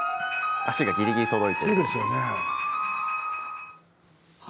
足がぎりぎり届いています。